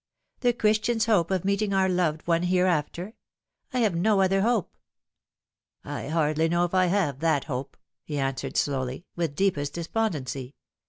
the Christian's hope of meeting our loved one here after. I have no other hope." " I hardly know if I have that hope," he answered slowly, with deepest despondency.